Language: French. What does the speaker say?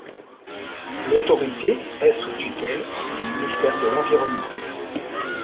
L'autorité est sous tutelle du ministère de l'Environnement.